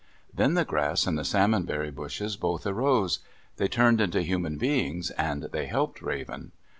Then the grass and the salmon berry bushes both arose. They turned into human beings, and they helped Raven.